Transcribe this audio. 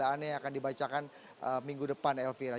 daannya akan dibacakan minggu depan elvira